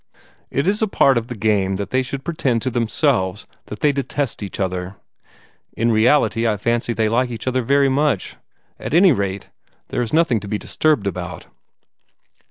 It is a part of the game that they should pretend to themselves that they detest each other. In reality I fancy that they like each other very much. At any rate, there is nothing to be disturbed about."